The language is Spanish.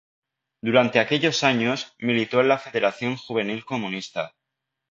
Durante aquellos años, militó en la Federación Juvenil Comunista.